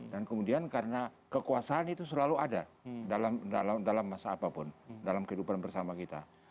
dan kemudian karena kekuasaan itu selalu ada dalam masa apapun dalam kehidupan bersama kita